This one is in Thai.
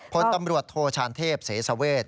พนตำรวจโทชาณเทพเสียเสวชาวเวท